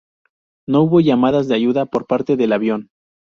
No hubo llamadas de ayuda por parte del avión.